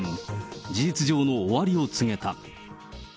事実上の終わりを告げた。